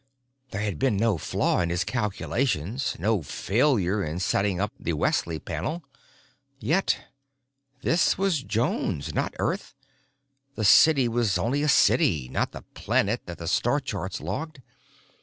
There had been no flaw in his calculations, no failure in setting up the Wesley panel. Yet—this was Jones, not Earth; the city was only a city, not the planet that the star charts logged.